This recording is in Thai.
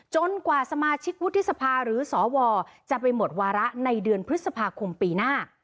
กว่าสมาชิกวุฒิสภาหรือสวจะไปหมดวาระในเดือนพฤษภาคมปีหน้า